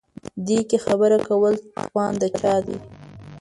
دې کې خبره کول توان د چا دی.